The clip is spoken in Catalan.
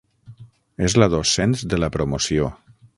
És la dos-cents de la promoció.